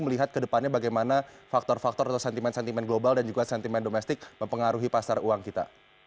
melihat ke depannya bagaimana faktor faktor atau sentimen sentimen global dan juga sentimen domestik mempengaruhi pasar uang kita